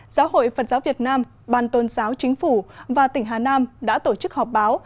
giáo hội phật giáo việt nam ban tôn giáo chính phủ và tỉnh hà nam đã tổ chức họp báo